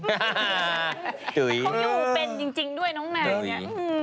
คงยังเป็นจริงด้วยน้องนาย